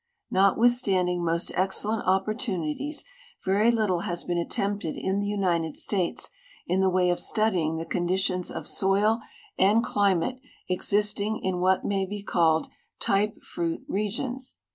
Notwithstanding most excellent opportunities, very little has been at tempted in the United States in the way of studying the conditions of soil and climate existing in what may be called type fruit regions.